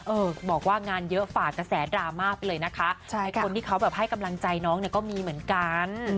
เออบอกว่างานเยอะฝ่ากระแสดราม่าไปเลยนะคะใช่คนที่เขาแบบให้กำลังใจน้องเนี่ยก็มีเหมือนกัน